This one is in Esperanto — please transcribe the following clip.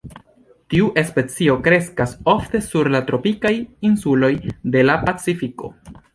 Tiu specio kreskas ofte sur la tropikaj insuloj de la Pacifiko.